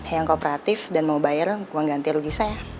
yang kooperatif dan mau bayar uang ganti alur bisa ya